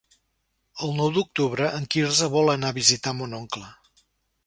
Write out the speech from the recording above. El nou d'octubre en Quirze vol anar a visitar mon oncle.